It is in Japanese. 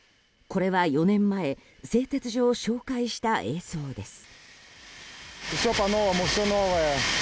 これは４年前製鉄所を紹介した映像です。